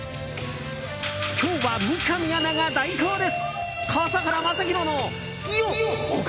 今日は三上アナが代行です。